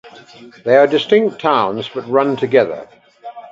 They are distinct towns, but run together.